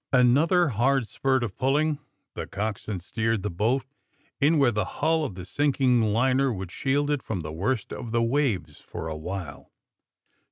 Another hard spurt of pnlling. The cox swain steered the boat in where the hull of the sinking liner would shield it from the worst of the waves for a while.